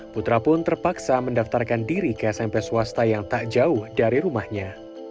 putra pun terpaksa mendaftarkan diri ke smp swasta yang tak jauh dari rumahnya